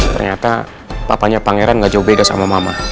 ternyata papanya pangeran gak jauh beda sama mama